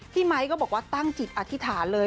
ไมค์ก็บอกว่าตั้งจิตอธิษฐานเลย